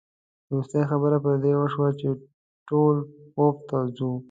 وروستۍ خبره پر دې وشوه چې ټول خوب ته ځو.